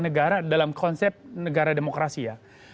negara dalam konsep negara demokrasi ya